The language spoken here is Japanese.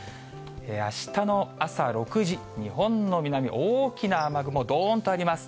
あしたの朝６時、日本の南、大きな雨雲どーんとあります。